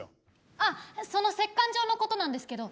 あっその折かん状のことなんですけど。